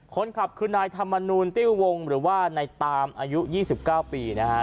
คนขับคือนายธรรมนูลติ้ววงหรือว่าในตามอายุ๒๙ปีนะฮะ